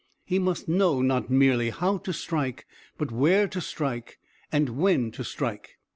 He must know not merely how to strike, but where to strike and when to strike.